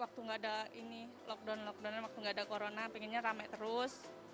waktu nggak ada ini lockdown lockdown waktu nggak ada corona pengennya rame terus